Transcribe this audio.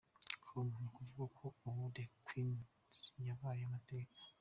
com: ni ukuvuga ko ubu The Queens yabaye amateka?.